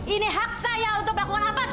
ini hak saya untuk lakukan apa yang saya lakukan